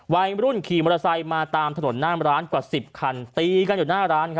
วัยรุ่นขี่มอเตอร์ไซค์มาตามถนนหน้ามร้านกว่า๑๐คันตีกันอยู่หน้าร้าน